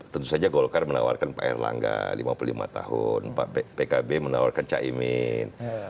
tentu saja golkar menawarkan pak erlangga lima puluh lima tahun pkb menawarkan caimin